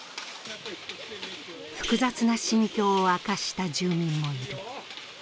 複雑な心境を明かした住民もいる。